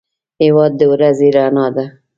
هېواد د ورځې رڼا ده.